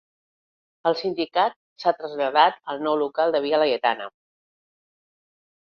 El sindicat s'ha traslladat al nou local de Via Laietana.